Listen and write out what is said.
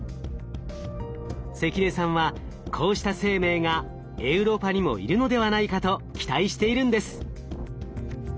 関根さんはこうした生命がエウロパにもいるのではないかと期待しているんです。